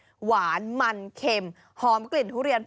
แต่ว่าก่อนอื่นเราต้องปรุงรสให้เสร็จเรียบร้อย